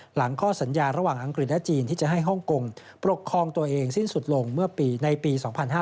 หลังข้อสัญญาระหว่างอังกฤษและจีนที่จะให้ฮ่องกงปกครองตัวเองสิ้นสุดลงเมื่อในปี๒๕๕๙